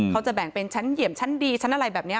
เขาจะแบ่งเป็นชั้นเหยียมชั้นดีชั้นอะไรแบบนี้